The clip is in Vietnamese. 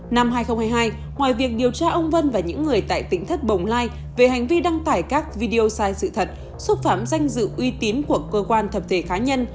năm hai nghìn hai mươi hai ngoài việc điều tra ông vân và những người tại tỉnh thất bồng lai về hành vi đăng tải các video sai sự thật xúc phạm danh dự uy tín của cơ quan thập thể cá nhân